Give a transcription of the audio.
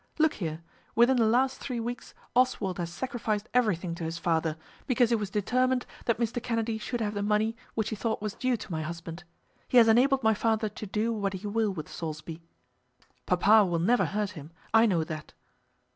Look here. Within the last three weeks Oswald has sacrificed everything to his father, because he was determined that Mr. Kennedy should have the money which he thought was due to my husband. He has enabled my father to do what he will with Saulsby. Papa will never hurt him; I know that.